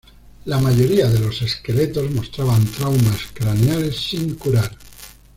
La mayoría de los esqueletos mostraban traumas craneales sin curar.